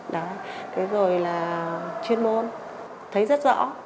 thế rồi là chuyên môn thấy rất rõ